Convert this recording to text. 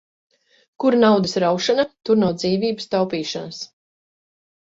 Kur naudas raušana, tur nav dzīvības taupīšanas.